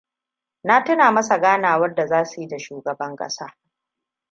Na tuna masa ganawar da za su yi da shugaban kasa.